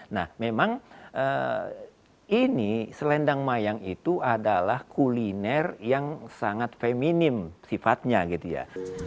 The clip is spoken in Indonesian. nah memang ini selendang mayang itu adalah kuliner yang sangat feminim sifatnya gitu ya